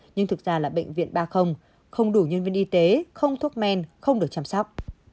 nhưng thực ra là bệnh viện ba không đủ nhân viên y tế không thuốc men không được chăm sóc